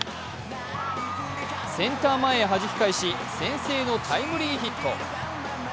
センター前へはじき返し、先制のタイムリーヒット。